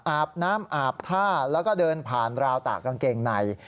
อาบน้ำอาบท่าแล้วก็เดินผ่านราวตากกางเกงใน